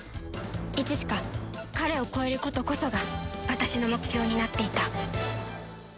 いつしか彼を超えることこそが私の目標になっていた